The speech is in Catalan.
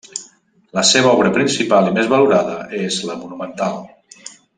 La seva obra principal i més valorada és la monumental.